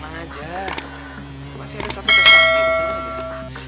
masih ada satu tes